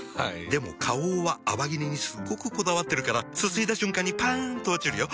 でも花王は泡切れにすっごくこだわってるからすすいだ瞬間にパン！と落ちるよ。